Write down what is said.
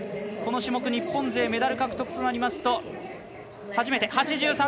この種目、日本勢メダル獲得となりますと初めて。